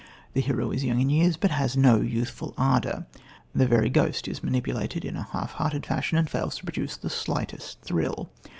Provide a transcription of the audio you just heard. The hero is young in years, but has no youthful ardour. The very ghost is manipulated in a half hearted fashion and fails to produce the slightest thrill.